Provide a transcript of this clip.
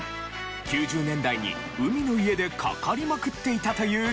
９０年代に海の家でかかりまくっていたという曲が。